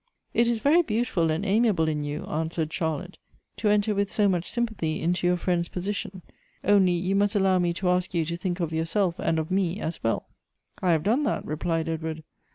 "It is very beautiful and amiable in you," answered Charlotte, " to enter with so much sympathy into your friend's position ; only you must allow me to ask you to think of yourself and of me, as well." " I have done that," replied Edward.